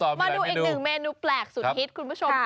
มาดูอีกหนึ่งเมนูแปลกสุดฮิตคุณผู้ชม